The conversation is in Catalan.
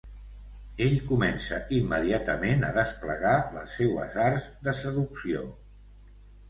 Ell, comença immediatament a desplegar les seues arts de seducció.